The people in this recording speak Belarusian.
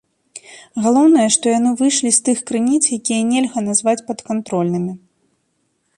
Галоўнае, што яны выйшлі з тых крыніц, якія нельга назваць падкантрольнымі.